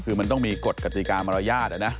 คือมันต้องมีกฎกติกามารยาท